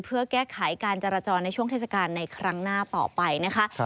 เพื่อแก้ไขการจราจรในช่วงเทศกาลในครั้งหน้าต่อไปนะคะ